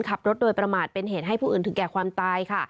ขับรถโดยประมาทเป็นเหตุให้ผู้อื่นถึงแก่ความตายค่ะ